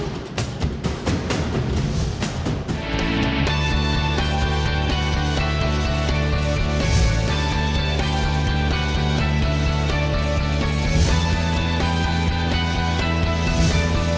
สวัสดีครับทุกคน